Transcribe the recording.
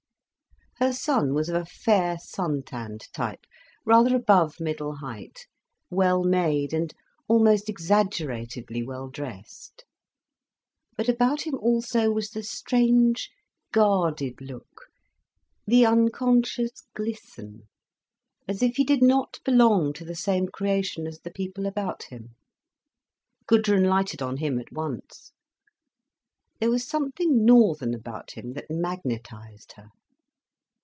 Her son was of a fair, sun tanned type, rather above middle height, well made, and almost exaggeratedly well dressed. But about him also was the strange, guarded look, the unconscious glisten, as if he did not belong to the same creation as the people about him. Gudrun lighted on him at once. There was something northern about him that magnetised her.